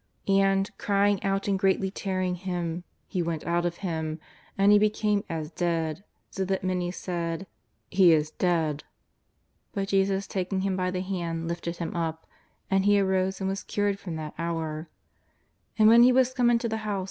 And, crying out and greatly tearing him, he went out of him, and he became as dead, so that many said: " He is dead." But Jesus taking him by the hand lifted him up; and he arose and was cured from that hour.